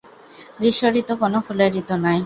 গ্রীষ্ম ঋতু কোনো ফুলের ঋতু নয়।